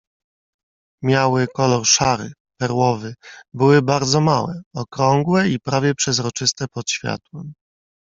"Miały kolor szary, perłowy, były bardzo małe, okrągłe i prawie przezroczyste pod światłem."